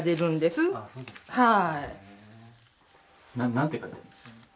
何て書いてあるんですか？